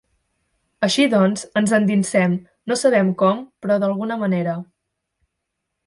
Així doncs, ens endinsem, no sabem com, però d'alguna manera.